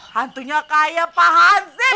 hantunya kayak pak hansip